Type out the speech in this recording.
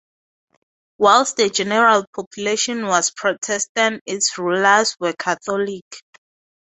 Whilst the general population was Protestant its rulers were Catholic.